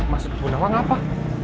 maksud bunda wang apa